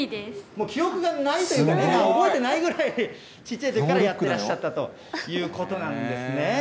もう記憶がないというね、覚えてないぐらいちっちゃいときからやってらっしゃったということなんですね。